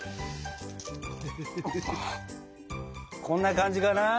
こんな感じかな？